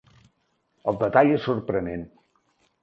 El detall és sorprenent.